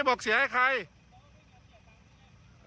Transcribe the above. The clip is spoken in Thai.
โหเสียใคร